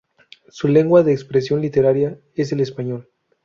Su lengua de expresión literaria es el español.